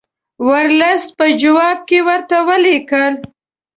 ورلسټ په جواب کې ورته ولیکل.